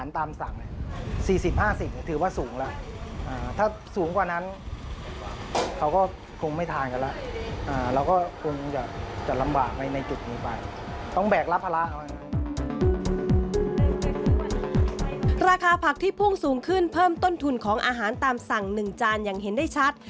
ราคาผักที่พุ่งสูงขึ้นเพิ่มต้นทุนของอาหารตามสั่ง๑จานอย่างเห็นได้ชัด